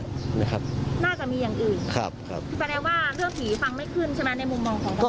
น่าจะมีอย่างอื่นคิดแปลว่าเรื่องผีฟังไม่ขึ้นใช่ไหมในมุมมองของเราคิดแปลว่าเรื่องผีฟังไม่ขึ้นใช่ไหมในมุมมองของเรา